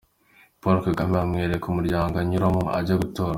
Paul Kagame bamwereka umuryango anyuramo ajya gutora.